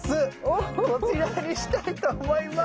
こちらにしたいと思います。